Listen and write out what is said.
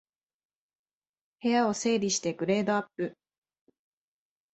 部屋を整理してグレードアップ